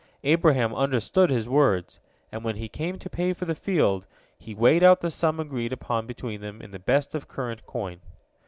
Abraham understood his words, and when he came to pay for the field, he weighed out the sum agreed upon between them in the best of current coin.